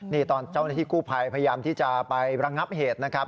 นี่ตอนเจ้าหน้าที่กู้ภัยพยายามที่จะไประงับเหตุนะครับ